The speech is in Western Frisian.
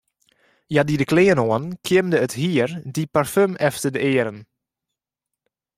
Hja die de klean oan, kjimde it hier, die parfum efter de earen.